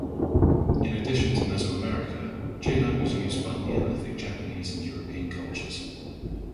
In addition to Mesoamerica, jadeite was used by Neolithic Japanese and European cultures.